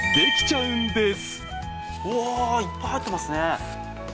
うわ、いっぱい入ってますね。